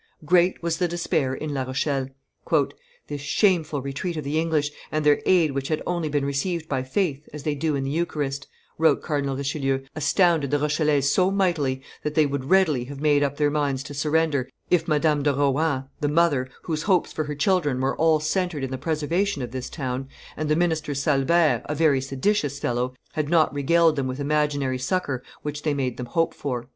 Great was the despair in La Rochelle: "This shameful retreat of the English, and their aid which had only been received by faith, as they do in the Eucharist," wrote Cardinal Richelieu, "astounded the Rochellese so mightily that they would readily have made up their minds to surrender, if Madame de Rohan, the mother, whose hopes for her children were all centred in the preservation of this town, and the minister Salbert, a very seditious fellow, had not regaled them with imaginary succor which they made them hope for."